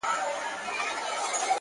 پرمختګ د عادتونو له سمون پیلېږي!